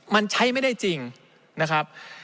มันใช้ไม่ได้จริงนะครับ